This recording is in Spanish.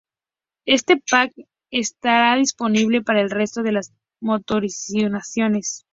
Este pack estará disponible para el resto de las motorizaciones.